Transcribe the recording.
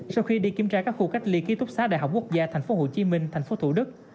sau khi đi kiểm tra các khu cách ly ký túc xá đại học quốc gia tp hcm thành phố thủ đức